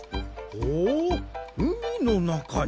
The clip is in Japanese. ほううみのなかに。